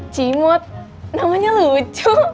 cimot namanya lucu